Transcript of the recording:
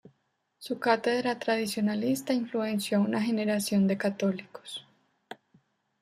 Su cátedra tradicionalista influenció a una generación de católicos.